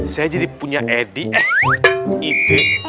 saya jadi punya edi eh